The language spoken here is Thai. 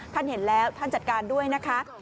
ท่านเห็นแล้วท่านจัดการด้วยนะคะ